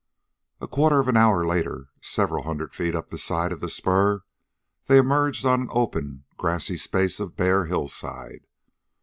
A quarter of an hour later, several hundred feet up the side of the spur, they emerged on an open, grassy space of bare hillside.